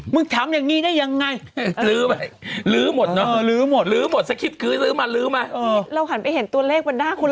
เมื่อที่เขียนมาก็ทำ